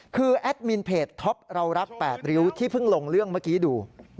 คือแอดมินเพจท็อปเรารัก๘ริ้วที่เพิ่งลงเรื่องเมื่อกี้ดู